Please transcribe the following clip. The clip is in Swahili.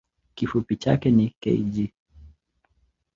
Kifupi chake ni kg.